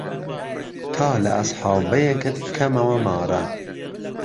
تا لە ئەسحابەیەکت پکەمەوە مارە